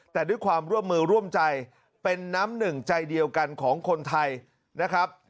แต่ด้วยความร่วมมือร่วมใจเป็นน้ำหนึ่งใจเดียวกันของคนไทยนะครับ